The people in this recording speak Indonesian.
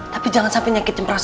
tapi jangan sampai nyakitin perasaan